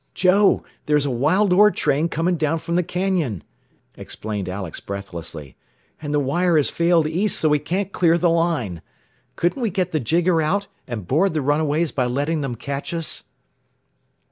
"Joe, there is a wild ore train coming down from the Canyon," explained Alex breathlessly, "and the wire has failed east so we can't clear the line. Couldn't we get the jigger out and board the runaways by letting them catch us?"